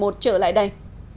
trở lại đây